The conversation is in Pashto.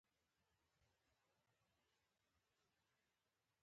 زوړ کندهار ډیر تاریخي ارزښت لري